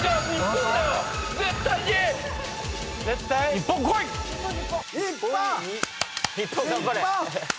日本頑張れ。